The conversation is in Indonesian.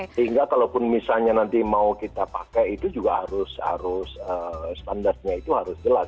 sehingga kalaupun misalnya nanti mau kita pakai itu juga harus standarnya itu harus jelas